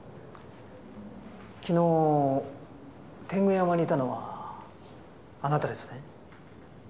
昨日天狗山にいたのはあなたですね？